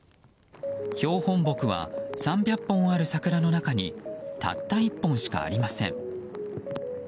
標本木は３００本ある桜の中にたった１本しかありません。